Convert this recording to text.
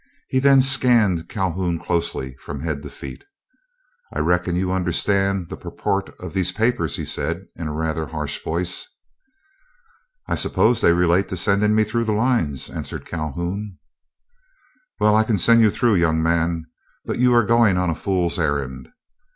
He then scanned Calhoun closely from head to feet. "I reckon you understand the purport of these papers," he said, in rather a harsh voice. "I suppose they relate to sending me through the lines," answered Calhoun. "Well, I can send you through, young man, but you are going on a fool's errand.